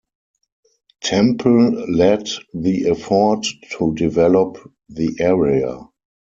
Temple led the effort to develop the area.